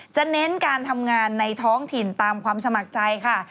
เน้นการทำงานในท้องถิ่นตามความสมัครใจค่ะ